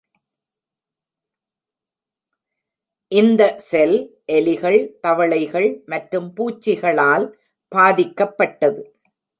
இந்த செல் எலிகள், தவளைகள் மற்றும் பூச்சிகளால் பாதிக்கப்பட்டது.